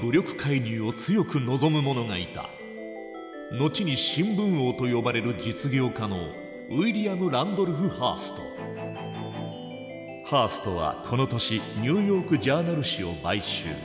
後に「新聞王」と呼ばれる実業家のハーストはこの年「ニューヨーク・ジャーナル」紙を買収。